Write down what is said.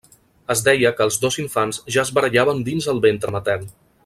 Es deia que els dos infants ja es barallaven dins el ventre matern.